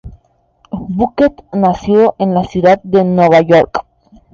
Buckley nació en la Ciudad de Nueva York.